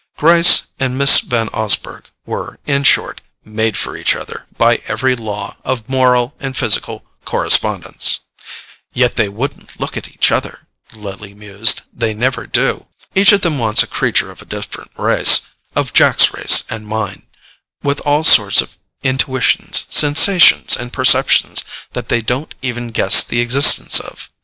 Gryce and Miss Van Osburgh were, in short, made for each other by every law of moral and physical correspondence——"Yet they wouldn't look at each other," Lily mused, "they never do. Each of them wants a creature of a different race, of Jack's race and mine, with all sorts of intuitions, sensations and perceptions that they don't even guess the existence of.